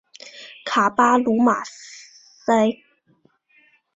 卡巴卢马塞。